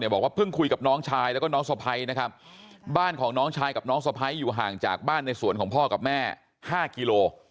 บอกว่าเพิ่งคุยกับน้องชายแล้วก็น้องสวไพ